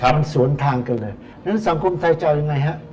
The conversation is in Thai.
มันสวนทางกันเลยดังนั้นสังคมไทยจะเอายังไงฮะ